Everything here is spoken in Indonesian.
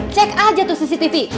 cek aja tuh cctv